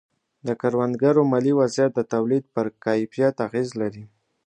د کروندګرو مالي وضعیت د تولید پر کیفیت اغېز لري.